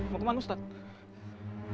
mau kemana ustadz